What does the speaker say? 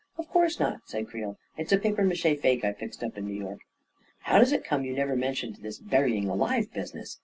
" Of course not," said Creel, " it's a papier mache fake I fixed up in New York." " How does it come you never mentioned this burying alive business?"